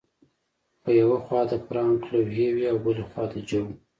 په یوه خوا د فرانک لوحې وې او بل خوا د جو